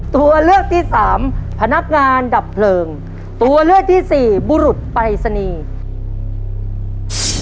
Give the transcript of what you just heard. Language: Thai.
ตัวเลือกที่สามพนักงานดับเพลิงตัวเลือกที่สี่บุรุษปรายศนีย์